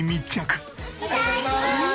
いただきます！